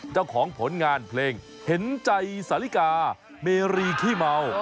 เจ้าของผลงานเพลงเห็นใจสาลิกาเมรีขี้เมา